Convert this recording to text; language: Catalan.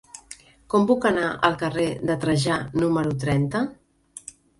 Com puc anar al carrer de Trajà número trenta?